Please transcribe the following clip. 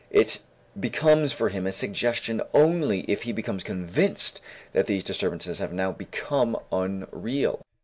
It becomes for him a suggestion only if he becomes convinced that these disturbances have now become unreal.